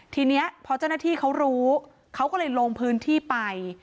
ทีนี้พอเจ้าหน้าที่เขารู้เขาก็เลยลงพื้นที่ไป